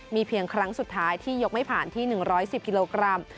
มีเพียงครั้งสุดท้ายที่ยกไม่ผ่านที่๑๑๐กิโลกรัม